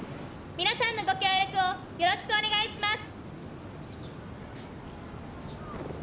皆さんのご協力をよろしくお願いします。